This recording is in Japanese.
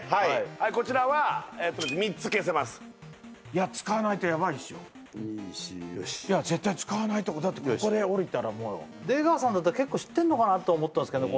こちらは３つ消せます使わないとやばいでしょう２４よし絶対使わないとだってここでおりたらもう出川さんだったら結構知ってんのかなと思ったんですけどね